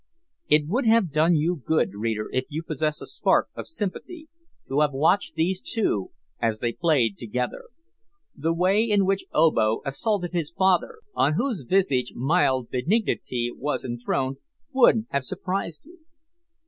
It would have done you good, reader, if you possess a spark of sympathy, to have watched these two as they played together. The way in which Obo assaulted his father, on whose visage mild benignity was enthroned, would have surprised you.